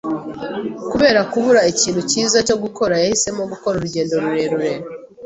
Kubera kubura ikintu cyiza cyo gukora, yahisemo gukora urugendo rurerure.